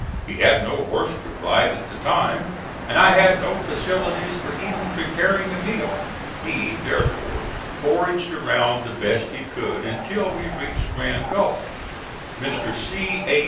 He had no horse to ride at the time, and I had no facilities for even preparing a meal. He, therefore, foraged around the best he could until we reached Grand Gulf. Mr. C. A.